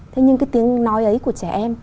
thế nhưng cái tiếng nói ấy của trẻ em